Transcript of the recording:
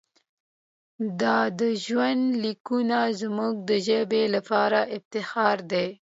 دا ژوندلیکونه زموږ د ژبې لپاره افتخار دی.